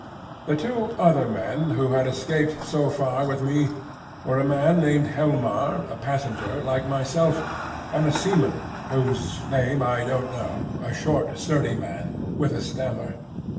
The two other men who had escaped so far with me were a man named Helmar, a passenger like myself, and a seaman whose name I don't know,—a short sturdy man, with a stammer.